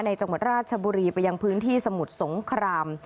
จังหวัดราชบุรีไปยังพื้นที่สมุทรสงคราม